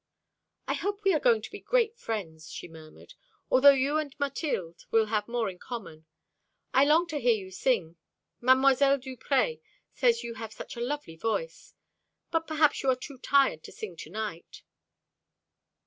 "I hope we are going to be great friends," she murmured, "although you and Mathilde will have more in common. I long to hear you sing. Mdlle. Duprez says you have such a lovely voice. But perhaps you are too tired to sing to night."